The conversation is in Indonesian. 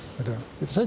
itu saja masalahnya